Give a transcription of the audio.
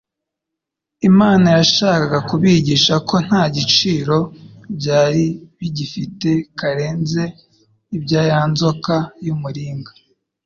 Imana yashakaga kubigisha ko nta gaciro byari bigifite karenze ibya ya nzoka y’umuringa